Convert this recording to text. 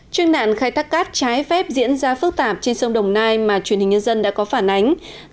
chuyên nạn khai thác cát trái phép diễn ra phức tạp trên sông đồng nai mà truyền hình nhân dân đã có phản ánh